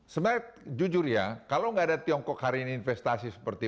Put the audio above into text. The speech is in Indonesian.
sebenarnya jujur ya kalau nggak ada tiongkok hari ini investasi seperti